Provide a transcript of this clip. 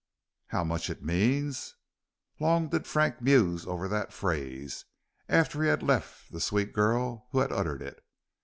"How much it means!" Long did Frank muse over that phrase, after he had left the sweet girl who had uttered it.